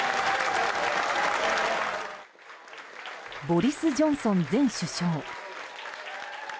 ボリス・ジョンソン前首相。